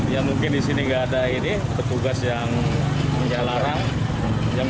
ya mungkin di sini nggak ada ini petugas yang menjalaran yang